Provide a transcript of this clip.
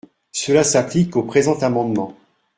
Cela s’applique au présent amendement.